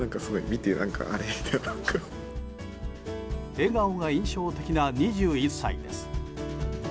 笑顔が印象的な２１歳です。